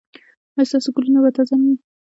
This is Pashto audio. ایا ستاسو ګلونه به تازه نه وي؟